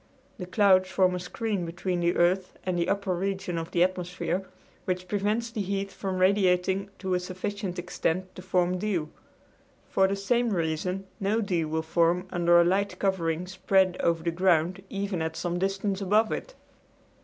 The clouds form a screen between the earth and the upper regions of the atmosphere, which prevents the heat from radiating to a sufficient extent to form dew. For the same reason no dew will form under a light covering spread over the ground even at some distance above it.